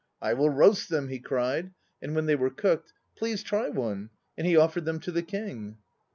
"I will roast them," he cried. And when they were cooked, "Please try one," and he offered them to the King.